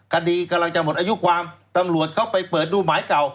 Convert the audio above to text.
คดีกำลังจะหมดอายุความตำรวจเข้าไปเปิดดูหมายเก่า